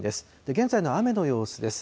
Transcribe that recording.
現在の雨の様子です。